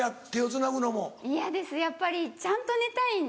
やっぱりちゃんと寝たいんで。